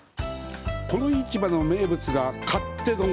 この市場の名物が勝手丼。